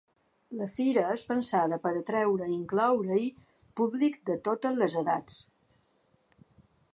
La fira és pensada per atraure i incloure-hi públic de totes les edats.